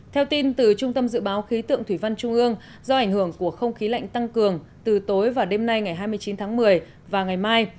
theo tin từ trung tâm dự báo khí tượng thủy văn trung ương do ảnh hưởng của không khí lạnh tăng cường từ tối và đêm nay ngày hai mươi chín tháng một mươi và ngày mai